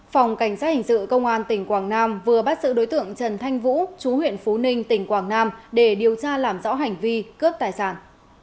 phòng cảnh sát hình sự công an tỉnh quảng nam vừa bắt giữ đối tượng trần thanh vũ chú huyện phú ninh tỉnh quảng nam để điều tra làm rõ hành vi cướp tài sản